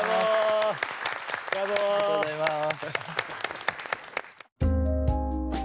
ありがとうございます。